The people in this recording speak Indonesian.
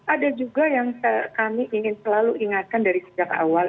ada juga yang kami ingin selalu ingatkan dari sejak awal